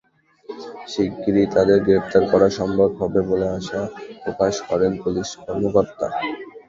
শিগগিরই তাদের গ্রেপ্তার করা সম্ভব হবে বলে আশা প্রকাশ করেন পুলিশ কর্মকর্তা।